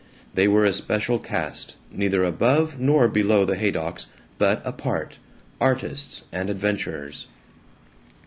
They were a special caste, neither above nor below the Haydocks, but apart, artists and adventurers.